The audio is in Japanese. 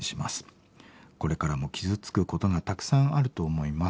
これからも傷つくことがたくさんあると思います。